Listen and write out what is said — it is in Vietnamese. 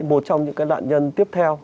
một trong những cái đạn nhân tiếp theo